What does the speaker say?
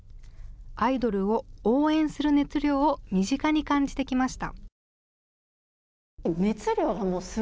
アイドルを応援する熱量を身近に感じてきました。